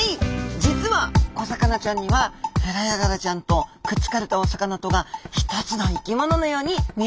実は小魚ちゃんにはヘラヤガラちゃんとくっつかれたお魚とが一つの生きもののように見えるようなんです。